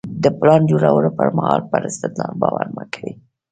د پلان جوړولو پر مهال پر استدلال باور مه کوئ.